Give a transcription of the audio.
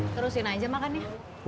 terusin aja makan ya